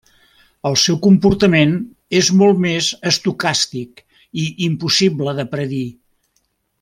El seu comportament és molt més estocàstic i impossible de predir.